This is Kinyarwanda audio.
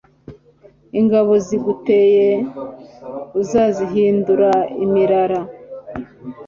ingabo ziguteye uzazihindura imirara